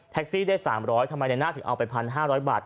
แท็กซี่ได้๓๐๐วาททำไมนายหน้าถึงเอาไป๑๕๐๐บาท